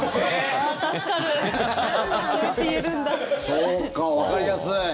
そうか、わかりやすい。